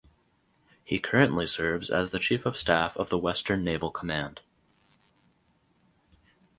He currently serves as the Chief of Staff of the Western Naval Command.